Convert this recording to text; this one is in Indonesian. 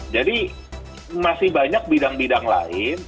jadi masih banyak bidang bidang lain